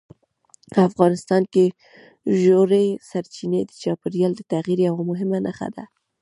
افغانستان کې ژورې سرچینې د چاپېریال د تغیر یوه مهمه نښه ده.